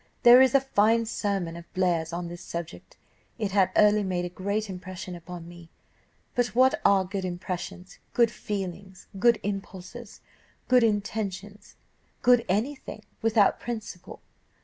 There is a fine sermon of Blair's on this subject; it had early made a great impression upon me; but what are good impressions, good feelings, good impulses, good intentions, good any thing, without principle?